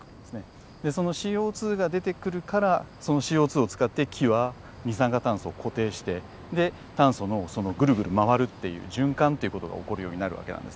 でそのＣＯが出てくるからそのＣＯを使って木は二酸化炭素を固定してで炭素のそのぐるぐる回るっていう循環っていう事が起こるようになる訳なんですね。